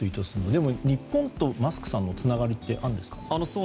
でも日本とマスクさんのつながりってあるんですか？